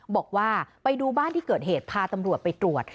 บอกว่าไปดูบ้านที่เกิดเหตุพาตำรวจไปตรวจ